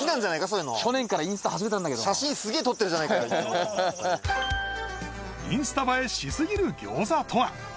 そういうの去年からインスタ始めたんだけど写真すげえ撮ってるじゃねえかインスタ映えしすぎる餃子とは？